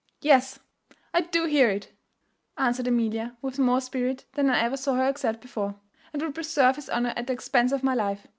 'Yes, I do hear it' answered Amelia, with more spirit than I ever saw her exert before, and would preserve his honour at the expense of my life.